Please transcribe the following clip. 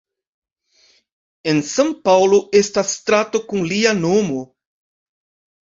En San-Paŭlo estas strato kun lia nomo.